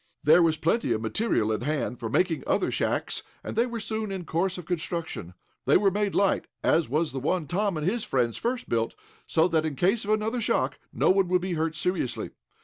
There was plenty of material at hand for making other shacks, and they were soon in course of construction. They were made light, as was the one Tom and his friends first built, so that, in case of another shock, no one would be hurt seriously.